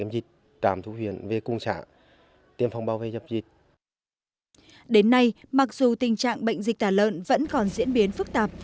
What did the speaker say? đến nay mặc dù tình trạng bệnh dịch tả lợn vẫn còn diễn biến phức tạp